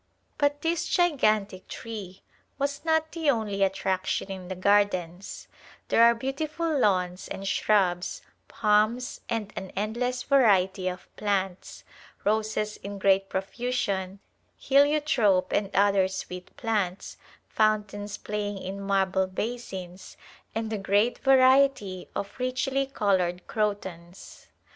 But this gigantic tree was not the only attraction in the gardens j there are beautiful lawns and shrubs, palms, and an endless variety of plants ; roses In great profusion, heliotrope and other sweet plants, fountains playing in marble basins, and a great variety of richly colored crotons.